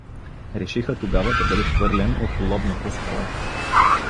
Решиха тогава да бъде хвърлен от Лобната скала.